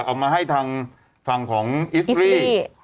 เอามาให้ทางฝั่งของอิสตรี